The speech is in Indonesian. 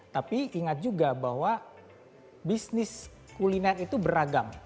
tapi ingat juga bahwa bisnis kuliner itu beragam